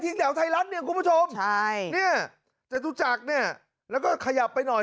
แถวไทยรัฐเนี่ยคุณผู้ชมใช่เนี่ยจตุจักรเนี่ยแล้วก็ขยับไปหน่อย